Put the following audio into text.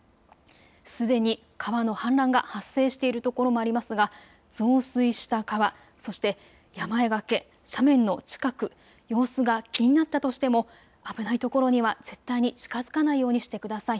すでに川の氾濫が発生しているところもありますが増水した川、そして山や崖、斜面の近く、様子が気になったとしても危ない所には絶対に近づかないようにしてください。